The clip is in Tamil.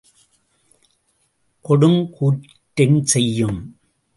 கொடுங் கூற்றென் செயும்?